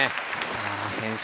さあ選手